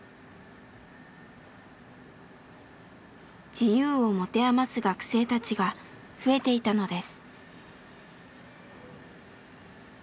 自由を持て余す学生たちが増えていたのです。